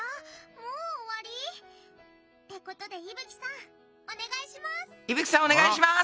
もう終わり！？ってことで伊吹さんお願いします！